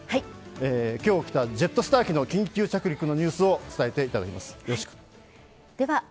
今日起きたジェットスター機の緊急着陸のニュースを伝えていただきます。